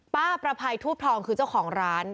ประภัยทูบทองคือเจ้าของร้าน